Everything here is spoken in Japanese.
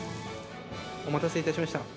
お待たせいたしました。